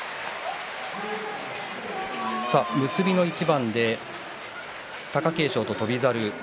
結びの一番で貴景勝と翔猿。